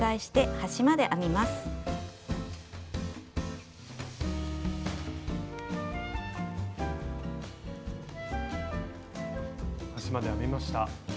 端まで編めました。